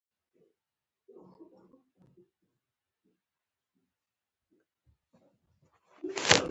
یوه ډله دې څو مشکل لغتونه له متن راوباسي.